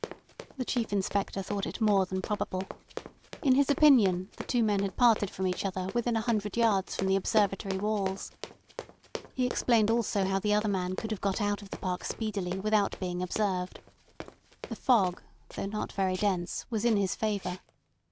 The Chief Inspector thought it more than probable. In his opinion, the two men had parted from each other within a hundred yards from the Observatory walls. He explained also how the other man could have got out of the park speedily without being observed. The fog, though not very dense, was in his favour.